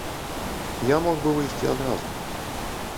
Я мог бы выйсці адразу.